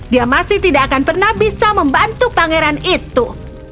dia masih tidak akan pernah bisa membantu pangeran itu